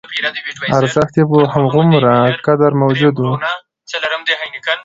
ارزښت یې په همغومره قدر موجود و.